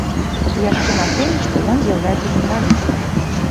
І яшчэ на тым, што ён з'яўляецца журналістам.